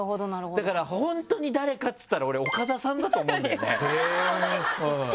だから本当に誰かっつったら俺岡田さんだと思うんだよね。